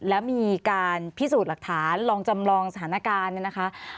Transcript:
แล้วมีการพิสูจน์หลักฐานลองจำลองสถานการณ์เนี่ยนะคะ